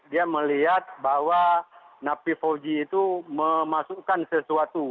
dia melihat bahwa napi fauji itu memasukkan sesuatu